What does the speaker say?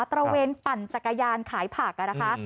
ระเวนปั่นจักรยานขายผักนะคะ